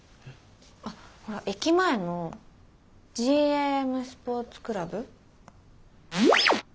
あっほら駅前のＧＡＭスポーツクラブ。